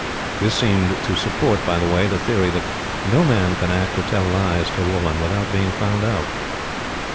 This seems to support, by the way, the theory that no man can act or tell lies to a woman without being found out.